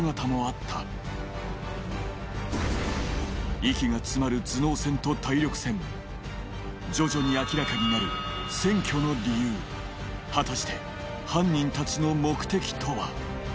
息が詰まる徐々に明らかになる占拠の理由果たして犯人たちの目的とは？